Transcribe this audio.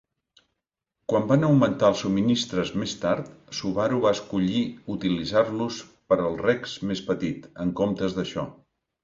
Quan van augmentar els subministres més tard, Subaru va escollir utilitzar-los per al Rex més petit, en comptes d'això.